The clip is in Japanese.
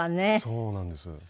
そうなんです。